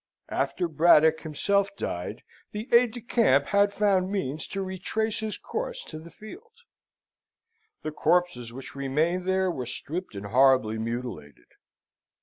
After Braddock himself died, the aide de camp had found means to retrace his course to the field. The corpses which remained there were stripped and horribly mutilated.